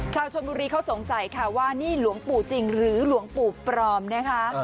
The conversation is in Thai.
ชาวชนบุรีเขาสงสัยค่ะว่านี่หลวงปู่จริงหรือหลวงปู่ปลอมนะคะ